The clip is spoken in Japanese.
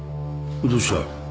どうした？